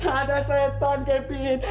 ada setan kevin